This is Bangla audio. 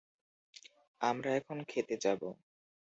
আমরা এখন খেতে যাবো।